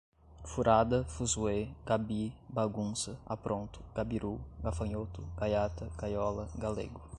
furada, fuzuê, gabi, bagunça, apronto, gabirú, gafanhoto, gaiata, gaiola, galego